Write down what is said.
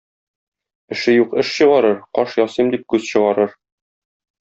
Эше юк эш чыгарыр, каш ясыйм дип күз чыгарыр.